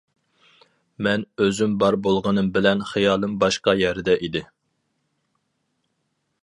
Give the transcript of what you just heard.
مەن ئۆزۈم بار بولغىنىم بىلەن خىيالىم باشقا يەردە ئىدى.